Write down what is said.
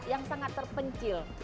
yang sangat terpencil